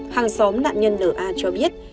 hàng xóm nạn nhân nna cho biết